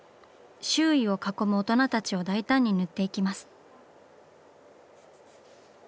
周囲を囲む大人たちを大胆に塗っていきます。